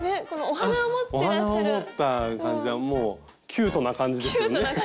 お花を持った感じはもうキュートな感じですよね。